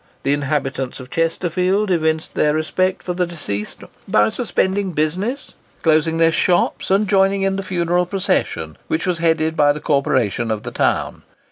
The inhabitants of Chesterfield evinced their respect for the deceased by suspending business, closing their shops, and joining in the funeral procession, which was headed by the corporation of the town.